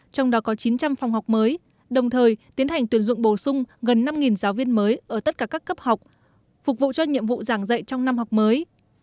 trong đó có chín trăm linh phòng học mới đồng thời tiến hành tuyển dụng bổ sung gần năm giáo viên mới ở tất cả các cấp học phục vụ cho nhiệm vụ giảng dạy trong năm học mới